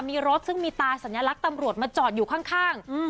มีรถซึ่งมีตาสัญลักษณ์ตำรวจมาจอดอยู่ข้าง